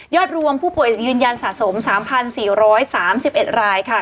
รวมผู้ป่วยยืนยันสะสม๓๔๓๑รายค่ะ